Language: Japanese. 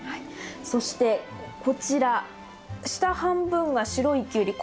そしてこちら下半分が白いキュウリ。